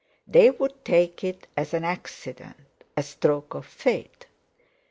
They would take it as an accident, a stroke of fate.